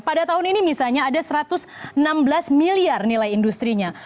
pada tahun ini misalnya ada satu ratus enam belas miliar nilai industri nya